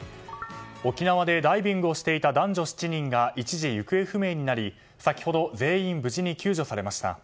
沖縄でダイビングをしていた男女７人が一時行方不明になり先ほど全員無事に救助されました。